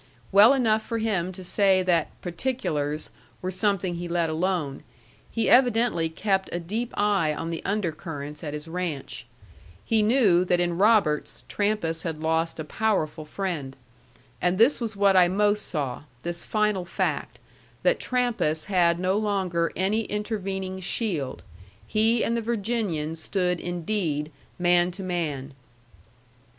Well enough for him to say that "particulars" were something he let alone; he evidently kept a deep eye on the undercurrents at his ranch. He knew that in Roberts, Trampas had lost a powerful friend. And this was what I most saw, this final fact, that Trampas had no longer any intervening shield. He and the Virginian stood indeed man to man.